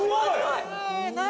何？